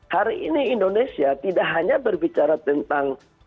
hari ini indonesia tidak hanya berbicara tentang